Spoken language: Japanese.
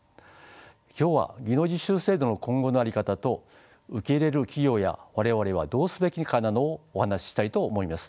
今日は技能実習制度の今後の在り方と受け入れる企業や我々はどうすべきなのかをお話ししたいと思います。